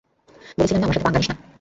বলেছিলাম না আমার সাথে পাঙ্গা নিস না।